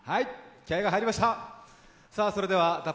気合いが入りました。